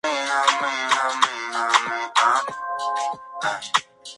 Egresó como Abogado de la Universidad Nacional de Córdoba.